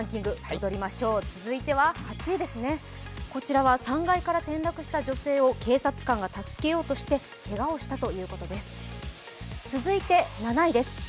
続いては８位、こちらは３階から転落した女性を警察官が助けようとしてけがをしたということです。